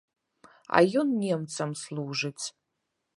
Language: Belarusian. А ён немцам служыць!